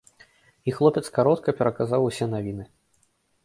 І хлопец каротка пераказаў усе навіны.